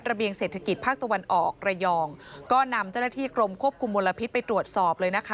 เบียงเศรษฐกิจภาคตะวันออกระยองก็นำเจ้าหน้าที่กรมควบคุมมลพิษไปตรวจสอบเลยนะคะ